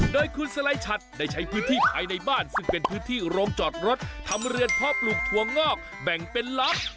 โดยคุณสไลชัดได้ใช้พื้นที่ภายในบ้านซึ่งเป็นพื้นที่โรงจอดรถทำเรือนเพาะปลูกถั่วงอกแบ่งเป็นลับ